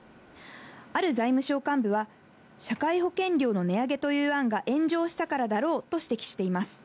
ある財務省幹部は、社会保険料の値上げという案が炎上したからだろうと指摘しています。